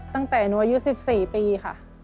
ตั้งแต่โนยุ๑๔ปีค่ะ